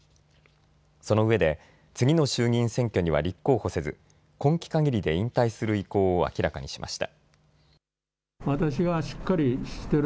そのうえで次の衆議院選挙には立候補せず今期かぎりで引退する意向を明らかにしました。